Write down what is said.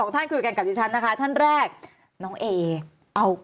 ท่านคุยกันกับดิฉันนะคะท่านแรกน้องเอเอา